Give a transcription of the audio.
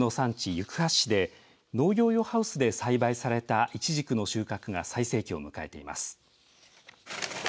行橋市で農業用ハウスで栽培されたイチジクの収穫が最盛期を迎えています。